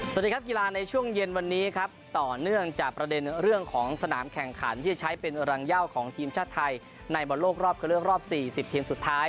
สวัสดีครับกีฬาในช่วงเย็นวันนี้ครับต่อเนื่องจากประเด็นเรื่องของสนามแข่งขันที่จะใช้เป็นรังเย่าของทีมชาติไทยในบอลโลกรอบเข้าเลือกรอบ๔๐ทีมสุดท้าย